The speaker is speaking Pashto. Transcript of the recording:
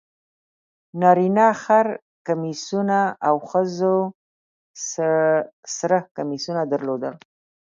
نارینه خر کمیسونه او ښځو سره کمیسونه درلودل.